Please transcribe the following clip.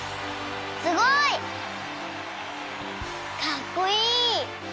すごい！かっこいい！